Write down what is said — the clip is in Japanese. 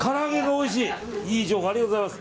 いい情報ありがとうございます。